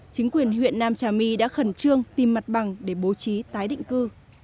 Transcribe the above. chính quyền huyện nam trà my đã khẩn trương tìm mặt bằng để bố trí tái định cư